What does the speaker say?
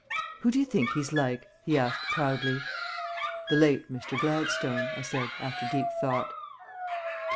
"Who do you think he's like?" he asked proudly. "The late Mr. Gladstone," I said, after deep thought.